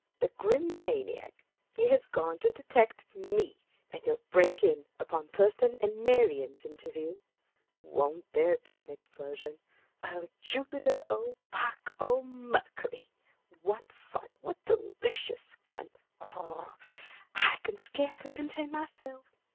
The Grim maniac! he has gone to detect me! And he'll break in upon Thurston and Marian's interview. Won't there be an explosion! Oh, Jupiter! Oh, Puck! Oh, Mercury! What fun what delicious fun! Wr r r r! I can scarcely contain myself!